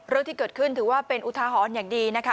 เรื่องที่เกิดขึ้นถือว่าเป็นอุทาหรณ์อย่างดีนะคะ